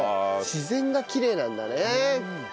自然がきれいなんだね前橋は。